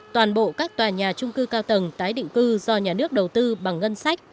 toàn bộ các tòa nhà trung cư cao tầng tái định cư do nhà nước đầu tư bằng ngân sách